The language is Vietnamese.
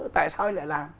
tại sao anh lại làm